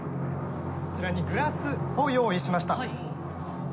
こちらにグラスを用意しました。